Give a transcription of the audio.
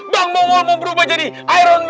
bang mongol mau berubah jadi iron man